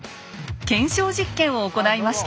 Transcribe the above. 検証実験を行いました。